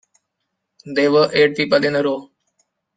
There were eight people in a row.